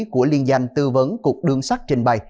của liên danh tư vấn cục đường sắt trình bày